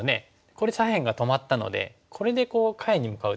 これ左辺が止まったのでこれで下辺に向かうとどうですか？